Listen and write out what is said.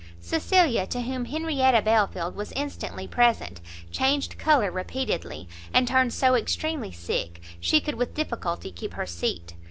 Cecilia, to whom Henrietta Belfield was instantly present, changed colour repeatedly, and turned so extremely sick, she could with difficulty keep her seat.